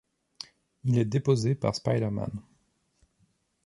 Il est déposé par Spider-Man.